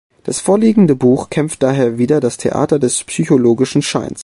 Das vorliegende Buch kämpft daher wider das Theater des psychologischen Scheins.